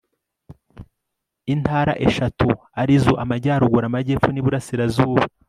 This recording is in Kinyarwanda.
intara eshatu arizo amajyaruguru amajyepfo n iburasirazuba